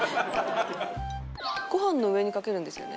ご飯の上にかけるんですよね？